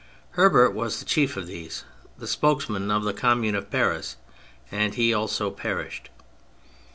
Hubert was the chief of these, the spokesman of the Commune of Paris; and he also perished.